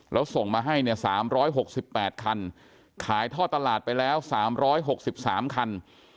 แล้วส่งมาให้เนี่ย๓๖๘คันขายท่อตลาดไปแล้ว๓๖๓คัน